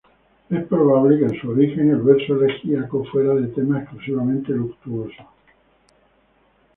Es probable que, en su origen, el verso elegíaco fuera de tema exclusivamente luctuoso.